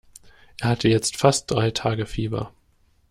Er hatte jetzt fast drei Tage Fieber.